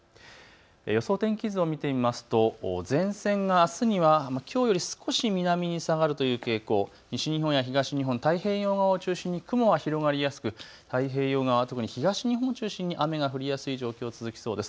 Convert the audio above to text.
予想天気図を見てみますと前線があすにはきょうより少し南に下がるという傾向、西日本や東日本、太平洋側を中心に雲が広がりやすく、太平洋側、特に東日本中心に雨が降りやすい状況、続きそうです。